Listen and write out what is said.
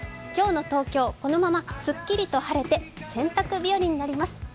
今日の東京、このまますっきりと晴れて洗濯日和になります。